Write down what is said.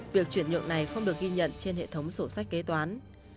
việc chuyển nhượng này không được ghi nhận trên hệ thống sổ sách kế toán